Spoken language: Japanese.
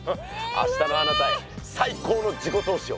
明日のあなたへ最高の自己投資を！